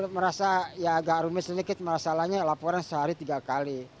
merasa ya agak rumit sedikit masalahnya laporan sehari tiga kali